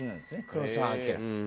黒澤明の。